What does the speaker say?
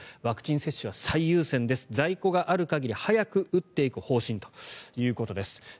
ワクチン接種が最優先です在庫がある限り早く打っていく方針ということです。